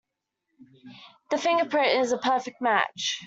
The fingerprint is a perfect match.